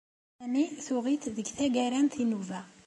Sami tuɣ-it deg tagara n tinuba.